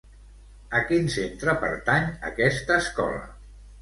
A quin centre pertany aquesta escola?